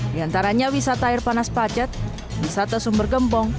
di antaranya wisata air panas pacat wisata sumber gempong